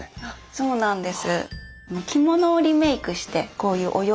そうなんです。